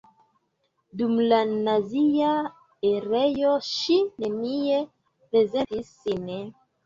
Dum la nazia erao ŝi nenie prezentis sin.